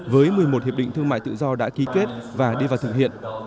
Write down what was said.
với một mươi một hiệp định thương mại tự do đã ký kết và đi vào thực hiện